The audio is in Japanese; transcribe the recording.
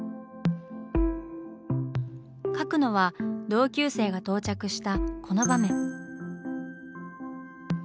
描くのは同級生が到着したこの場面。